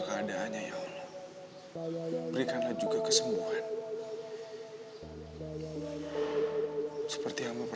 karena kasihan reva